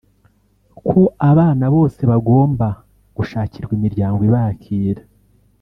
ko abana bose bagomba gushakirwa imiryango ibakira